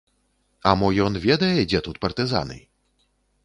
А мо ён ведае, дзе тут партызаны?